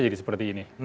jadi seperti ini